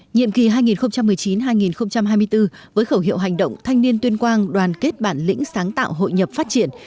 nhiệm kỳ hai nghìn một mươi chín hai nghìn hai mươi bốn với khẩu hiệu hành động thanh niên tuyên quang đoàn kết bản lĩnh sáng tạo hội nhập phát triển